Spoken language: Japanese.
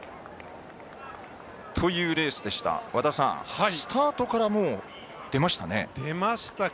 というレースでした、和田さんスタートからもう出ましたね。